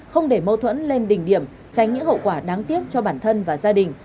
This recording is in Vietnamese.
không để mâu thuẫn lên đỉnh điểm tránh những hậu quả đáng tiếc cho bản thân và gia đình